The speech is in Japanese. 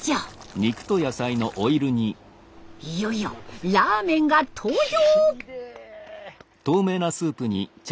いよいよラーメンが登場！